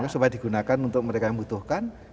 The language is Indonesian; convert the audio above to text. supaya digunakan untuk mereka yang membutuhkan